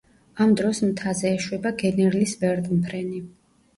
ამ დროს მთაზე ეშვება გენერლის ვერტმფრენი.